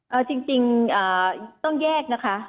เอาจริงต้องแยกนะคะ